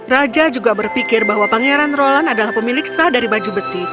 raja juga berpikir bahwa pangeran roland adalah pemilik sah dari baju besi